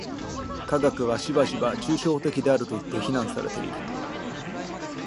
科学はしばしば抽象的であるといって非難されている。